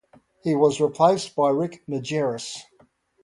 He was replaced by Rick Majerus.